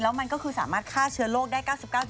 มันก็คือสามารถฆ่าเชื้อโรคได้๙๙